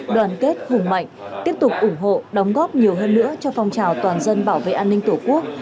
đoàn kết hùng mạnh tiếp tục ủng hộ đóng góp nhiều hơn nữa cho phong trào toàn dân bảo vệ an ninh tổ quốc